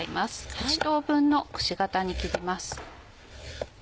８等分のくし形に切ります。